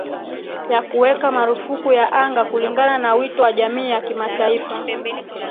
ya kuweka marufuku ya anga kulingana na wito wa jamii ya kimataifa